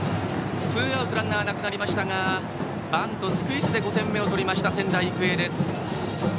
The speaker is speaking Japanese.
ツーアウトランナーなくなりましたがスクイズで５点目を取った仙台育英です。